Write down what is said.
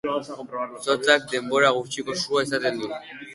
Zotzak denbora gutxiko sua izaten du.